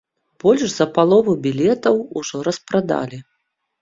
Больш за палову білетаў ужо распрадалі.